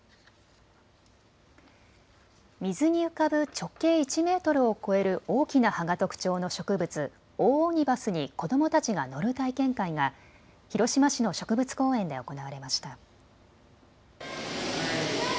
水に浮かぶ直径１メートルを超える大きな葉が特徴の植物、オオオニバスに子どもたちが乗る体験会が広島市の植物公園で行われました。